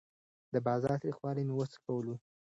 د بازار تریخوالی مې وڅکلو.